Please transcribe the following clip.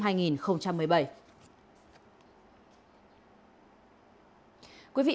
cảm ơn các bạn đã theo dõi